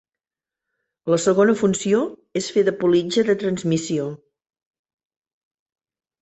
La segona funció és fer de politja de transmissió.